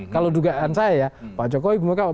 kalau dugaan saya ya pak jokowi bu makao